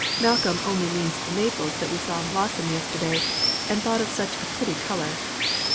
Malcolm only means the maples that we saw in blossom yesterday and thought of such a pretty color.